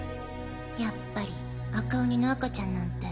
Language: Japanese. やっぱり赤鬼の赤ちゃんなんて。